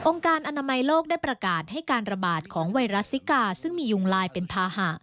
การอนามัยโลกได้ประกาศให้การระบาดของไวรัสซิกาซึ่งมียุงลายเป็นภาหะ